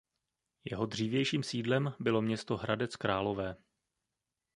Jeho dřívějším sídlem bylo město Hradec Králové.